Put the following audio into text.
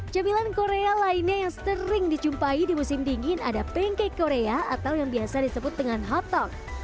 camilan korea lainnya yang sering dijumpai di musim dingin ada pancake korea atau yang biasa disebut dengan hottong